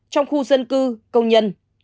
trong khu dân cư công nhân